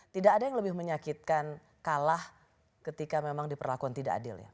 tidak ada yang lebih menyakitkan kalah ketika memang diperlakukan tidak adil ya